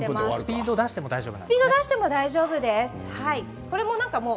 スピードを出しても大丈夫です。